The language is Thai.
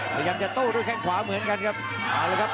พยายามจะตู้ด้วยแค่ขวาเหมือนกันครับ